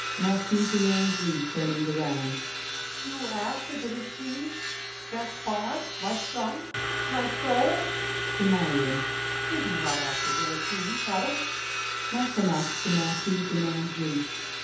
MARQUIS DE NANGIS (turning around). You ask If it is he—Gaspard, my son, my soul? [To Marion.] Did he not ask if it was he, madame? LAFFEMAS (to Marquis de Nangis).